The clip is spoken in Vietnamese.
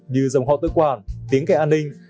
như dòng họ tự quản tiếng kẻ an ninh